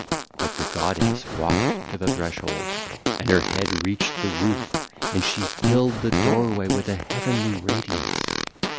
But the goddess walked to the threshold: and her head reached the roof and she filled the doorway with a heavenly radiance.